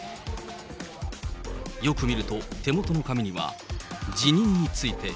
よく見ると、手元の紙には、辞任について。